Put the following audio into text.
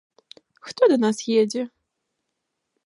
Хто да нас едзе?